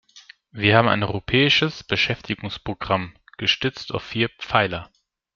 Wir haben ein Europäisches Beschäftigungsprogramm, gestützt auf vier Pfeiler.